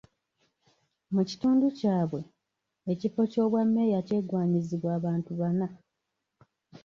Mu kitundu kyabwe, ekifo Ky'obwa meeya kyegwanyizibwa abantu bana.